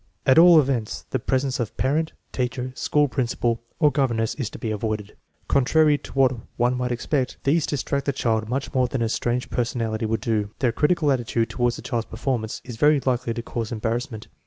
At all events, the presence of parent, teacher, school principal, or governess is to be avoided. Contrary to what one might expect, these distract the child much more than INSTRUCTIONS FOR USING 123 a strange personality would do. Their critical attitude toward the child's performance is very likely to cause em barrassment.